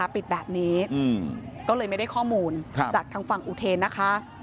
ปิดแบบนี้ก็เลยไม่ได้ข้อมูลจากทางฝั่งอุเทนนะคะ